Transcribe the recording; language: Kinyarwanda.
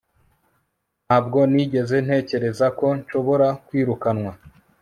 ntabwo nigeze ntekereza ko nshobora kwirukanwa